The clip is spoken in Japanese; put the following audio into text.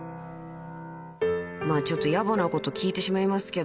［まあちょっとやぼなこと聞いてしまいますけど］